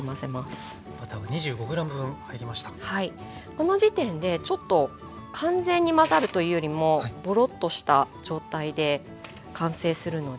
この時点でちょっと完全に混ざるというよりもボロッとした状態で完成するので。